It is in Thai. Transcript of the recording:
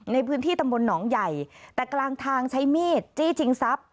ในพื้นที่ตำบลหนองใหญ่แต่กลางทางใช้มีดจี้ชิงทรัพย์